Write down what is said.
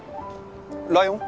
ライオン？